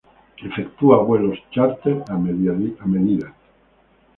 Efectúa vuelos chárter a medida.